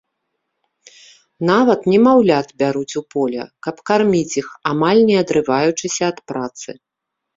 Нават немаўлят бяруць у поле, каб карміць іх, амаль не адрываючыся ад працы.